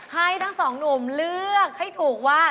ให้ทั้งสองหนุ่มเลือกให้ถูกว่า